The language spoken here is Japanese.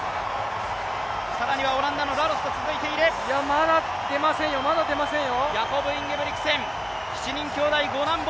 まだ出ませんよ、まだ出ませんよ。